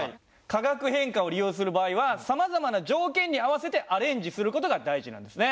化学変化を利用する場合はさまざまな条件に合わせてアレンジする事が大事なんですね。